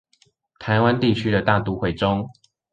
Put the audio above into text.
台灣地區的大都會中